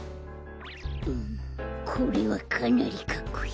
うんこれはかなりかっこいい。